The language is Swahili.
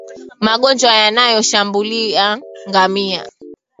Magonjwa yanayoshambulia ngamia